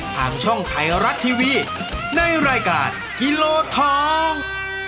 ทางช่องไทยรัฐทีวีในรายการกิโลทอง